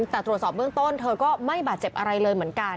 แต่ตรวจสอบเบื้องต้นเธอก็ไม่บาดเจ็บอะไรเลยเหมือนกัน